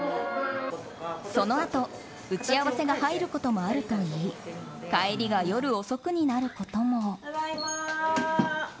そのあと、打ち合わせが入ることもあるといい帰りが夜遅くになることも。